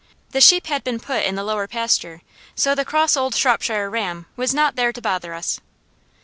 The sheep had been put in the lower pasture; so the cross old Shropshire ram was not there to bother us.